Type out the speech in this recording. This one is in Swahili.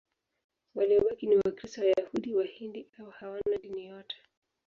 Waliobaki ni Wakristo, Wayahudi, Wahindu au hawana dini yote.